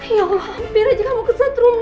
ya allah hampir aja kamu kesetrum nak